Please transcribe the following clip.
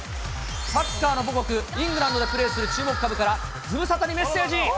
サッカーの母国、イングランドでプレーする注目株から、ズムサタにメッセージ。